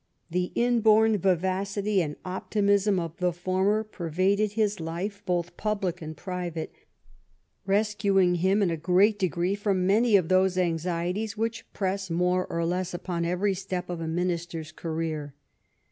The inborn vivacity and optimism of the former per vaded his life, both public and private ; rescuing him in a great degree from many of those anxieties which press more or less upon every step of a Minister's career.